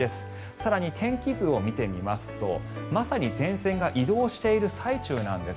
更に天気図を見てみますとまさに前線が移動している最中なんです。